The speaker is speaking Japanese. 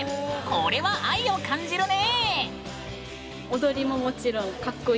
これは愛を感じるね。